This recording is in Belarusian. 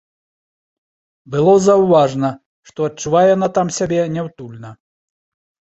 Было заўважна, што адчувае яна там сябе няўтульна.